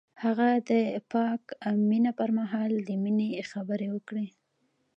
هغه د پاک مینه پر مهال د مینې خبرې وکړې.